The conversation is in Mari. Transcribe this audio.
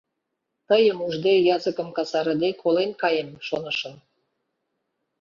Тыйым ужде, языкым касарыде, колен каем, шонышым.